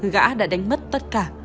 gã đã đánh mất tất cả